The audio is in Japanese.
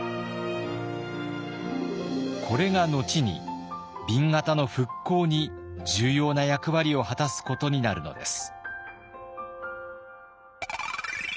これが後に紅型の復興に重要な役割を果たすことになるのです。